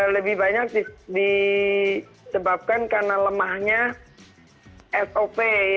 lebih banyak disebabkan karena lemahnya sop